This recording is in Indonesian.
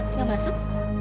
mas mau masuk